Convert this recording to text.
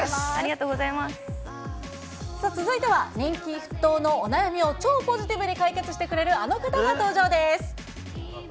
さあ、続いては人気沸騰のお悩みを超ポジティブに解決してくれるあの方が登場です。